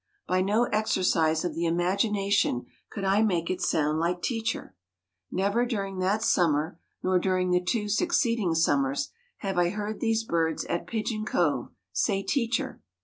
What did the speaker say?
By no exercise of the imagination could I make it sound like "teacher." Never during that summer nor during the two succeeding summers have I heard these birds at Pigeon Cove say "teacher."